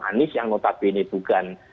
anies yang notabene bukan